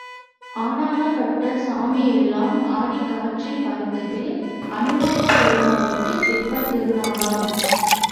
ஆனானப்பட்ட சாமி எல்லாம் ஆடிக் காற்றில் பறக்குது அநுமந்தப் பெருமாளுக்குத் தெப்பத் திருநாளாம்.